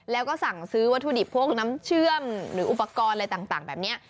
แล้วก็สั่งซื้อวัตถุดิบพวกน้ำเชื่อมหรืออุปกรณ์อะไรต่างแบบนี้